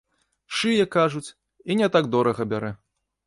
Шые, кажуць, і не так дорага бярэ.